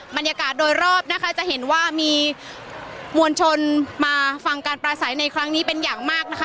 บรรยากาศโดยรอบนะคะจะเห็นว่ามีมวลชนมาฟังการปลาใสในครั้งนี้เป็นอย่างมากนะคะ